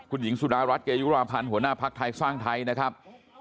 คุณหญิงสุดารัฐเกยุราพันธ์หัวหน้าภักดิ์ไทยสร้างไทยนะครับ